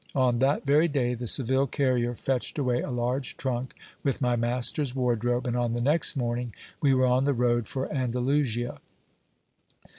On that very day, the Seville carrier fetched away a large trunk with my master's wardrobe, and on the next morning we were on the road for Andalusia.